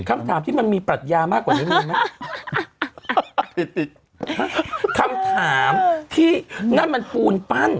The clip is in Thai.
คำถามที่มันมีปรัชญามากกว่านิดนึงไหมติดติดคำถามที่นั่นมันปูนปั้น